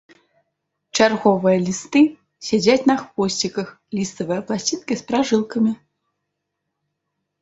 Чарговыя лісты сядзяць на хвосціках, ліставыя пласцінкі з пражылкамі.